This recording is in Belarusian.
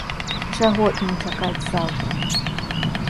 Чаго ім чакаць заўтра?